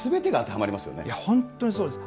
いや、本当にそうです。